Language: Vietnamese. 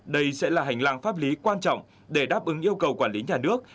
đây sẽ là hành lang pháp lý quan trọng để đáp ứng yêu cầu quản lý nhà nước